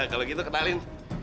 kalau gitu kenalin